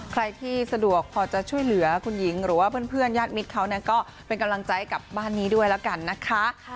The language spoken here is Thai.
ใครที่สะดวกพอจะช่วยเหลือคุณหญิงหรือว่าเพื่อนญาติมิตรเขาก็เป็นกำลังใจกับบ้านนี้ด้วยแล้วกันนะคะ